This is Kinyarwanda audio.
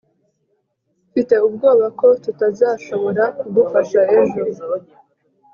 mfite ubwoba ko tutazashobora kugufasha ejo